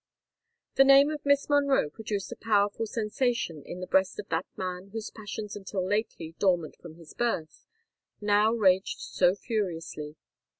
The name of Miss Monroe produced a powerful sensation in the breast of that man whose passions until lately dormant from his birth, now raged so furiously.